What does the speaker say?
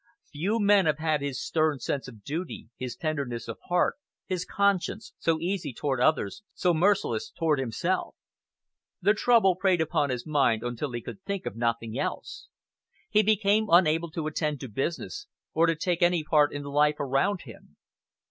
Few men have had his stern sense of duty, his tenderness of heart, his conscience, so easy toward others, so merciless toward himself. The trouble preyed upon his mind until he could think of nothing else. He became unable to attend to business, or to take any part in the life around him.